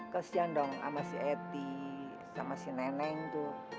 kasian dong sama si eti sama si nenek tuh